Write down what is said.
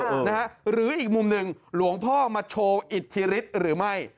หรืออีกมุมหนึ่งหลวงพ่อมาโชว์อิทธิฤทธิ์หรือไม่